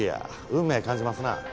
運命感じますな。